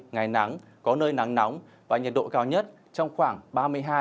ngày nắng có nơi nắng nóng và nhật độ cao nhất trong khoảng ba mươi hai độ